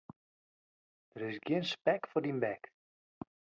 Dat is gjin spek foar dyn bek.